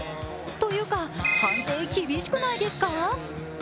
というか、判定厳しくないですか？